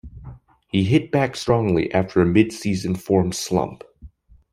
He hit back strongly after a midseason form slump.